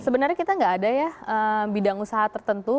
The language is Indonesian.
sebenarnya kita nggak ada ya bidang usaha tertentu